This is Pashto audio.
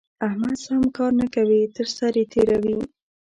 احمد سم کار نه کوي؛ تر سر يې تېروي.